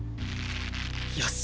よし！